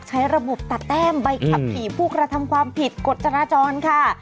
ใช้ระบบตัดแต้มใบขับขี่ผู้กระทำความผิดกฎจราจรค่ะ